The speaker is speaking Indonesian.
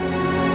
jangan mas said